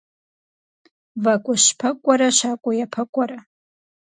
ВакӀуэщпэкӀурэ щакӀуэ япэкӀуэрэ.